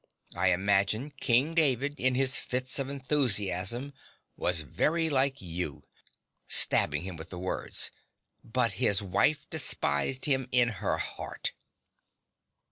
I imagine King David, in his fits of enthusiasm, was very like you. (Stabbing him with the words.) "But his wife despised him in her heart."